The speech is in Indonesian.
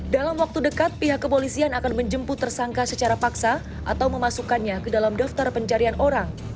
dalam waktu dekat pihak kepolisian akan menjemput tersangka secara paksa atau memasukkannya ke dalam daftar pencarian orang